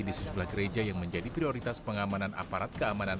di sejumlah gereja yang menjadi prioritas pengamanan aparat keamanan